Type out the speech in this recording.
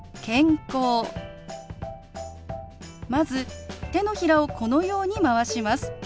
まず手のひらをこのように回します。